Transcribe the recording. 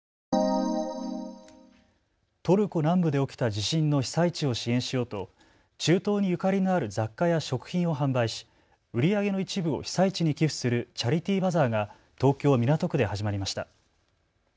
トルコ南部で起きた地震の被災地を支援しようと中東にゆかりのある雑貨や食品を販売し売り上げの一部を被災地に寄付するチャリティーバザーが東京港区で始まりました。